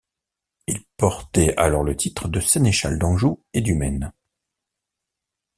Ils portaient alors le titre de sénéchal d'Anjou et du Maine.